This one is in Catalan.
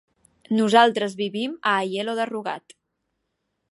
Nosaltres vivim a Aielo de Rugat.